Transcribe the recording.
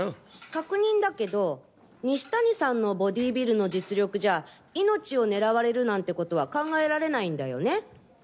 確認だけど西谷さんのボディビルの実力じゃあ命を狙われるなんてことは考えられないんだよね？